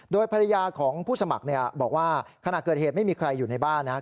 โดยภรรยาของผู้สมัครบอกว่าขณะเกิดเหตุไม่มีใครอยู่ในบ้านนะครับ